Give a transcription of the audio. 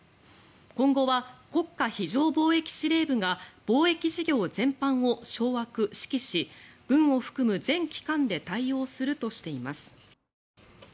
今後は国家非常防疫司令部が防疫事業全般を掌握・指揮し軍を含む全機関で対応するとしています。